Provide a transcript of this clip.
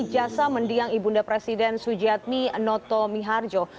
jasa mendiang ibunda presiden sujiatmi noto miharjo